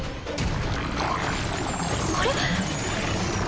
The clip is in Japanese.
あれ？